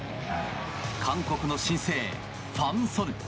韓国の新星、ファン・ソヌ。